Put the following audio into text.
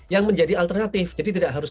yang menjadi alternatif jadi tidak harus